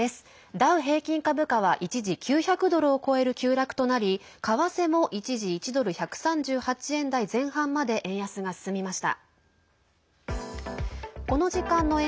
ダウ平均株価は一時９００ドルを超える急落となり為替も一時１ドル＝１３８円台前半まで円安が進みました。